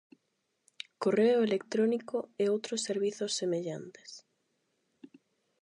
Correo electrónico e outros servizos semellantes.